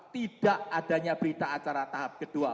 tidak adanya berita acara tahap kedua